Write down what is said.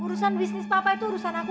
urusan bisnis papa itu urusan aku